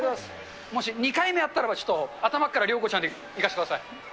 もし２回目あったらば、ちょっと、頭から涼子ちゃんでいかせてください。